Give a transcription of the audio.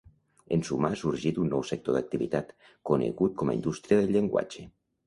En suma, ha sorgit un nou sector d'activitat, conegut com a indústria del llenguatge.